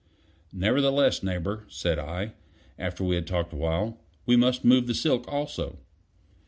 "Nevertheless, Neighbor," said I, after we had talked awhile, "we must move the silk also."